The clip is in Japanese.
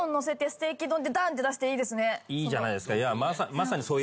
いいじゃないですか。